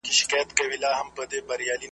چي له هري خوا یې ګورم توري شپې توري تیارې وي .